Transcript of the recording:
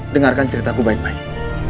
dengarkan ceritaku baik baik